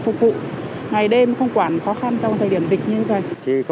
ngày đêm không quản khó khăn trong thời điểm dịch như vậy